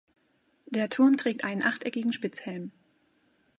Der Turm trägt einen achteckigen Spitzhelm.